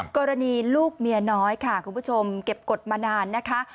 กรณีลูกเมียน้อยค่ะคุณผู้ชมเก็บกฎมานานนะคะ